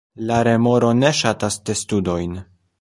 La remoro ne ŝatas testudojn.